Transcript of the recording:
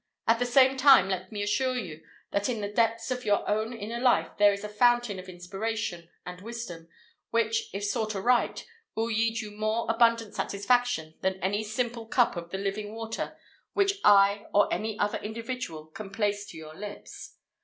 At the same time let me assure you, that in the depths of your own Inner Life there is a fountain of inspiration and wisdom, which, if sought aright, will yield you more abundant satisfaction than any simple cup of the living water which I, or any other individual, can place to your lips.